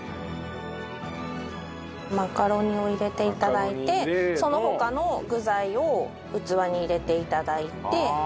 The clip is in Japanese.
マカロニを入れて頂いてその他の具材を器に入れて頂いて。